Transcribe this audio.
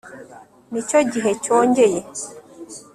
nicyo gihe cyongeye